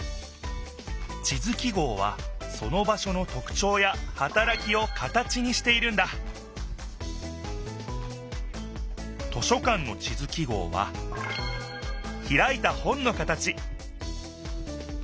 地図記号はその場所のとくちょうやはたらきを形にしているんだ図書館の地図記号はひらいた本の形